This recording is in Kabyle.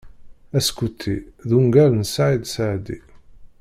"Askuti" d ungal n Saɛid Seɛdi.